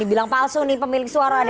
dibilang palsu nih pemilik suara dpd satu